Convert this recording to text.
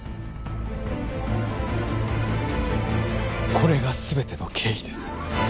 これが全ての経緯です